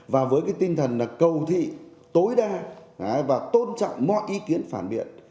và với cái tinh thần cầu thị tối đa và tôn trọng mọi ý kiến phản biện